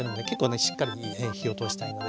しっかり火を通したいのでいきますよ。